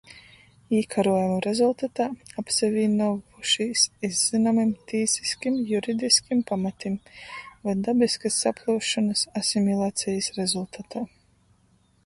Īkaruojumu rezultatā, apsavīnuovušīs iz zynomim tīsiskim, juridiskim pamatim voi dabiskys saplyusšonys, asimilacejis rezultatā.